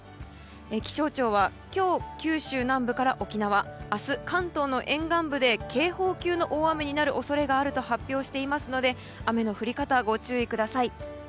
気象庁は今日、九州南部から沖縄明日、関東の沿岸部で警報級の大雨になる恐れがあると発表していますので雨の降り方にご注意ください。